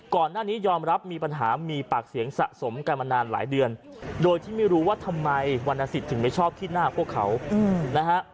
ก่อนหน้านี้ยอมรับมีปัญหามีปากเสียงสะสมกันมานานหลายเดือนโดยที่ไม่รู้ว่าทำไมวรรณสิทธิ์ไม่ชอบขี้หน้าพวกเขานะฮะ